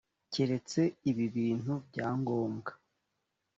keretse ibi bintu bya ngombwa